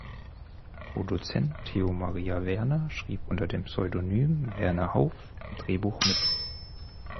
Produzent Theo Maria Werner schrieb unter dem Pseudonym Werner Hauff am Drehbuch mit.